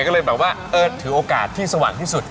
ก็เลยแบบว่าเออถือโอกาสที่สว่างที่สุด